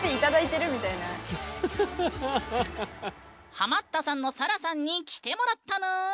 ハマったさんのさらさんに来てもらったぬん。